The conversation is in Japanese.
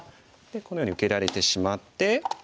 このように受けられてしまって。